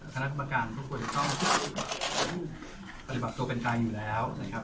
คณะธุรการทุกคนก็ปฏิบัติโตเป็นกายอยู่แล้วนะครับ